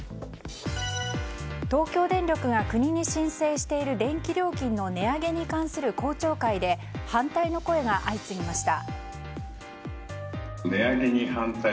東京電力が国に申請している電気料金の値上げに関する公聴会で反対の声が相次ぎました。